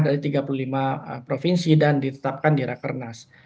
dari tiga puluh lima provinsi dan ditetapkan di rakernas